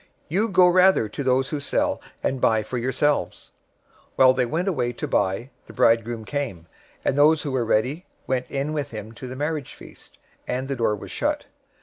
You go rather to those who sell, and buy for yourselves.' 025:010 While they went away to buy, the bridegroom came, and those who were ready went in with him to the marriage feast, and the door was shut.